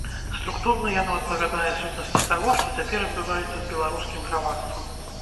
Структурна яно адпавядае сутнасці таго, што цяпер адбываецца з беларускім грамадствам.